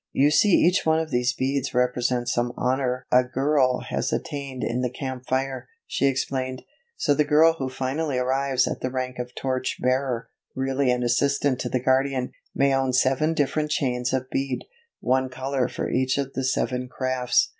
"You see each one of these beads represents some honor a girl has attained in the Camp Fire," she explained, "so the girl who finally arrives at the rank of Torch Bearer, really an assistant to the guardian, may own seven different chains of bead, one color for each of the seven crafts."